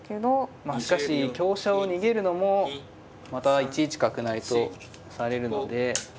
まあしかし香車を逃げるのもまた１一角成とされるので。